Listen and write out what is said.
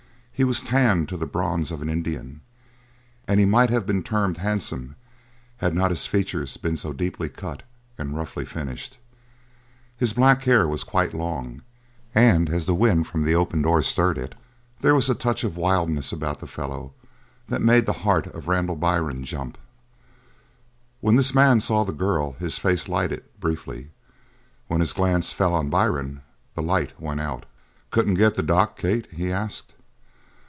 He was tanned to the bronze of an Indian, and he might have been termed handsome had not his features been so deeply cut and roughly finished. His black hair was quite long, and as the wind from the opened door stirred it, there was a touch of wildness about the fellow that made the heart of Randall Byrne jump. When this man saw the girl his face lighted, briefly; when his glance fell on Byrne the light went out. "Couldn't get the doc, Kate?" he asked.